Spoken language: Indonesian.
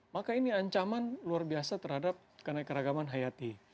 maka ini ancaman luar biasa terhadap konekaragaman hayati